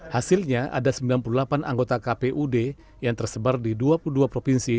hasilnya ada sembilan puluh delapan anggota kpud yang tersebar di dua puluh dua provinsi